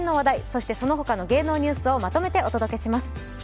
そしてその他の芸能ニュースをまとめてお届けします。